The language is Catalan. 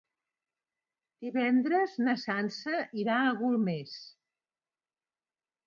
Divendres na Sança irà a Golmés.